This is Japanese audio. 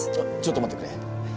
あっちょっと待ってくれ。